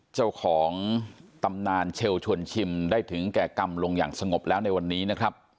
เจ้าของตำนานเชลชวนชิมได้ถึงแก่กรรมลงอย่างสงบแล้วในวันนี้นะครับ